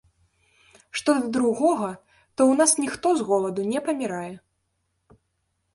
Што да другога, то ў нас ніхто з голаду не памірае!